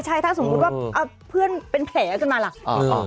ใช่ถ้าสมมุติว่าเพื่อนเป็นแผลขึ้นมาล่ะ